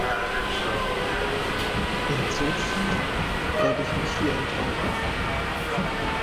Insofern werde ich mich hier enthalten.